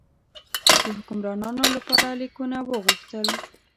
د حکمرانانو لپاره لیکونه وغوښتل.